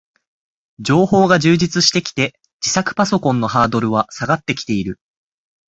情報が充実してきて、自作パソコンのハードルは下がってきている